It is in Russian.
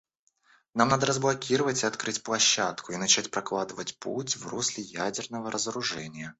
Нам надо разблокировать и открыть площадку и начать прокладывать путь в русле ядерного разоружения.